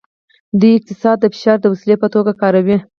دوی اقتصاد د فشار د وسیلې په توګه کاروي